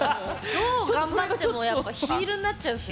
どう頑張ってもやっぱヒールになっちゃうんすよ。